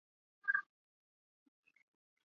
鲁布桑旺丹还是蒙古科学院院士。